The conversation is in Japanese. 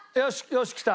よしきた。